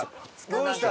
どうした？